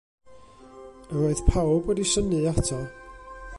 Yr oedd pawb wedi synnu ato.